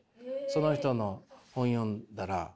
その人の本読んだらああ。